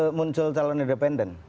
ketika muncul calon independen